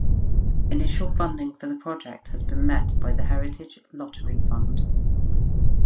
Initial funding for the project has been met by the Heritage Lottery Fund.